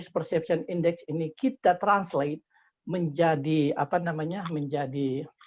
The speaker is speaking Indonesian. persepsi resiko ini kita translatasi menjadi bahasa